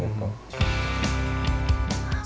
mendapatkan penghasilan gitu